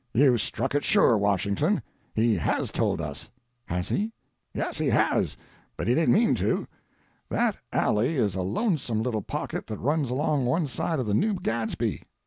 you've struck it sure, Washington; he has told us." "Has he?" "Yes, he has; but he didn't mean to. That alley is a lonesome little pocket that runs along one side of the New Gadsby.